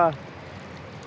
ayamnya dua cukup